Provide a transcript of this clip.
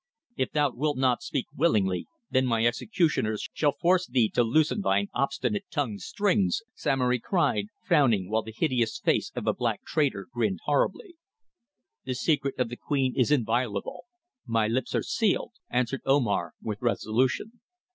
"If thou wilt not speak willingly, then my executioners shall force thee to loosen thine obstinate tongue's strings," Samory cried, frowning, while the hideous face of the black traitor grinned horribly. "The secret of the queen is inviolable. My lips are sealed," answered Omar with resolution.